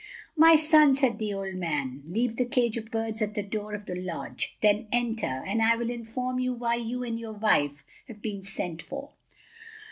"My son," said the old man, "leave the cage of birds at the door of the lodge. Then enter, and I will inform you why you and your wife have been sent for."